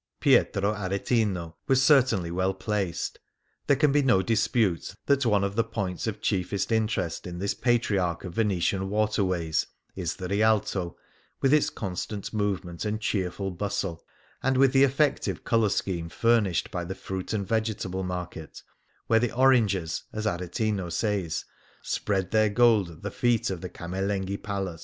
Pietro Aretino was certainly well placed. , There can be no dispute that one of the points of chiefest interest in this " Patriarch "' of Venetian waterways is the Rialto, with its con stant movement and cheerful bustle, and with the effective colour scheme furnished by the fruit and vegetable market, where "the oranges,"' as Aretino says, " spread their gold at the feet of the Camerlenghi Palace."